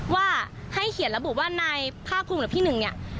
ว่าให้เขียนระบุว่าในภาคภูมิหรือพี่หนึ่ง